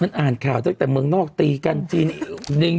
อ่านข่าวตั้งแต่เมืองนอกตีกันจีน